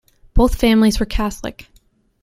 Both families were Catholic.